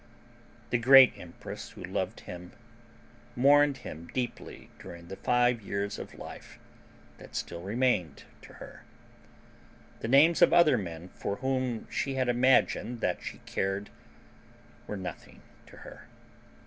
The great empress who loved him mourned him deeply during the five years of life that still remained to her. The names of other men for whom she had imagined that she cared were nothing to her.